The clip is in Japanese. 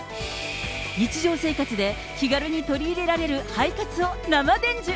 日常生活で気軽に取り入れられる肺活を生伝授。